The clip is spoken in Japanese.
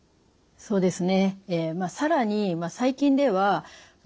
そうですね。